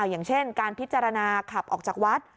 อย่างเช่นการพิจารณาขับออกจากวัด